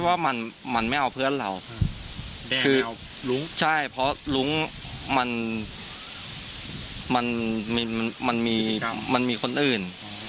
ว่ามันมันไม่เอาเพื่อนเราใช่เพราะลุ้งมันมันมีมันมีมันมีคนอื่น